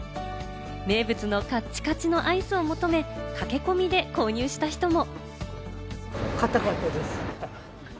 名物のカッチカチのアイスを求め、駆け込みで購入した人も。